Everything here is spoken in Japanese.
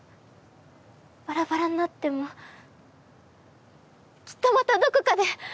バラバラになってもきっとまたどこかで。